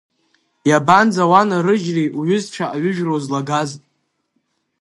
Иабанӡа уанарыжьри уҩызцәа аҩыжәра узлагаз…